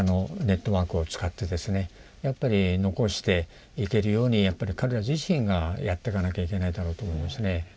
やっぱり残していけるようにやっぱり彼ら自身がやってかなきゃいけないだろうと思いますね。